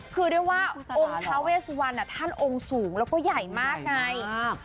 คือเรียกว่าองค์ท้าเวสวันท่านองค์สูงแล้วก็ใหญ่มากไง